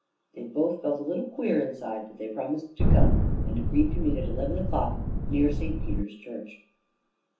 They both felt a little queer inside. But they promised to come, and agreed to meet at eleven o'clock near St Peter's Church.